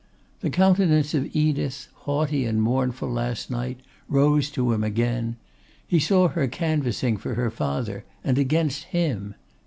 The countenance of Edith, haughty and mournful last night, rose to him again. He saw her canvassing for her father, and against him.